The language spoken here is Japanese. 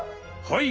はい！